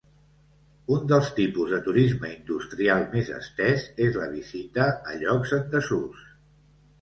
Un dels tipus de turisme industrial més estès és la visita a llocs en desús.